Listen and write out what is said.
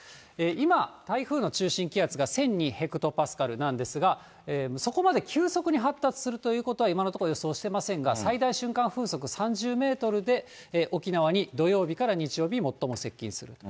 今、台風の中心気圧が１００２ヘクトパスカルなんですが、そこまで急速に発達するということは、今のところ予想していませんが、最大瞬間風速３０メートルで、沖縄に土曜日から日曜日、最も接近すると。